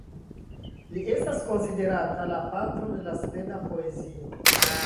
Li estas konsiderata la patro de la sveda poezio.